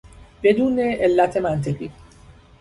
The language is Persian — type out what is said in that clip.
بدون علت منطقی